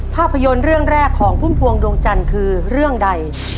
ภาพยนตร์เรื่องแรกของพุ่มพวงดวงจันทร์คือเรื่องใด